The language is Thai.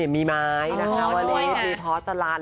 มีไม้นะคะมีพอร์ตสลัน